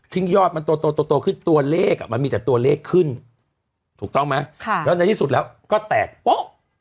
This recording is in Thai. ยอดมันโตขึ้นตัวเลขมันมีแต่ตัวเลขขึ้นถูกต้องไหมแล้วในที่สุดแล้วก็แตกโป๊ะ